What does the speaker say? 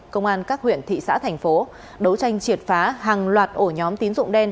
công an các huyện thị xã thành phố đấu tranh triệt phá hàng loạt ổ nhóm tín dụng đen